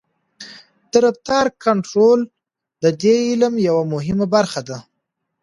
د رفتار کنټرول د دې علم یوه مهمه برخه ده.